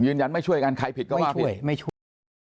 ยืนยันไม่ช่วยกันใครผิดก็ว่าผิด